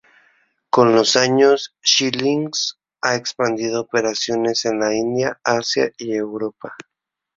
Con los años, Xilinx ha expandido operaciones en la India, Asia y Europa.